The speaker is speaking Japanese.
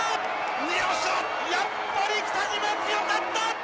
やっぱり北島強かった！